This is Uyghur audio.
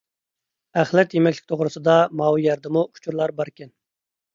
ئەخلەت يېمەكلىك توغرىسىدا ماۋۇ يەردىمۇ ئۇچۇرلار باركەن.